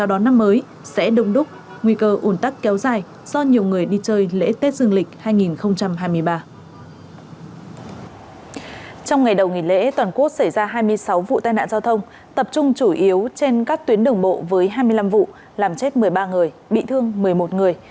trong ngày đầu nghỉ lễ toàn quốc xảy ra hai mươi sáu vụ tai nạn giao thông tập trung chủ yếu trên các tuyến đường bộ với hai mươi năm vụ làm chết một mươi ba người bị thương một mươi một người